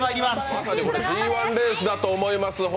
まさにＧⅠレースだと思います。